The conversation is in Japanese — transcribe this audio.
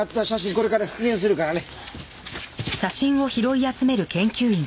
これから復元するからね。